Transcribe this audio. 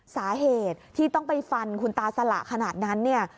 สาเหตุที่ต้องไปฟันคุณตาสละขนาดนั้นเนี่ย